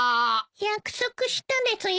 約束したですよ。